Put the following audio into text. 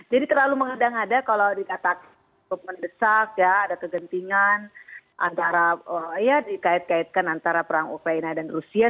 jadi terlalu mengedang edang ada kalau dikatakan ya ada kegentingan antara ya dikait kaitkan antara perang ukraina dan rusia